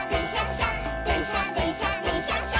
しゃでんしゃでんしゃでんしゃっしゃ」